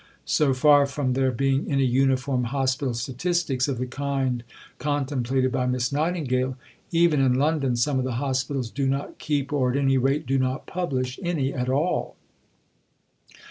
So far from there being any uniform hospital statistics, of the kind contemplated by Miss Nightingale, even in London some of the hospitals do not keep, or at any rate do not publish, any at all.